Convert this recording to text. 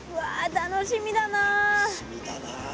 楽しみだな。